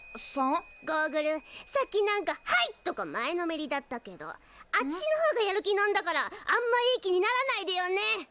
ゴーグルさっきなんか「はい！」とか前のめりだったけどあちしのほうがやる気なんだからあんまりいい気にならないでよね！